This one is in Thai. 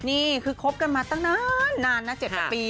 นี่คือคบกันมาตั้งนานนะ๗๘ปี